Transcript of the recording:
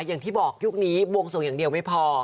อย่างที่บอกยุคนี้บวงส่งอย่างเดียวไม่พอ